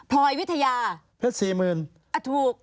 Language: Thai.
พลอยวิทยาแพทย์๔หมื่นอ่ะถูก